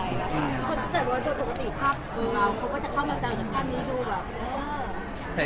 แต่ว่าส่วนปกติภาพเหมือนเราเขาก็จะเข้ามาจากภาพนี้ดูแบบ